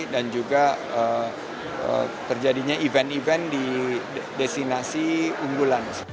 dan juga terjadinya event event di destinasi unggulan